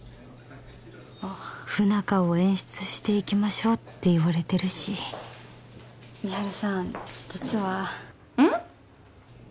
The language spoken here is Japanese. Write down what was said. あっ不仲を演出していきましょうって言われてるし美晴さん実はうん？